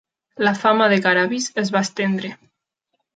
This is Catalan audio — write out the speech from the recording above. La fama de Karavis es va estendre.